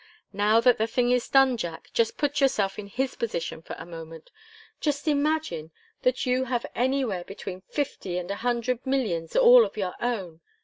"Now that the thing is done, Jack, just put yourself in his position for a moment. Just imagine that you have anywhere between fifty and a hundred millions, all of your own.